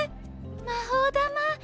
魔法玉！